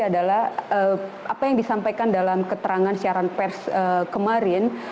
adalah apa yang disampaikan dalam keterangan siaran pers kemarin